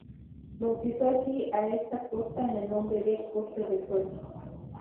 Bautizó así a esta costa con el nombre de "Costa del Sol".